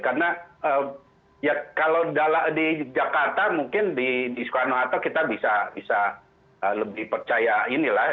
karena kalau di jakarta mungkin di soekarno hatta kita bisa lebih percaya inilah